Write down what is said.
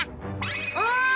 おい！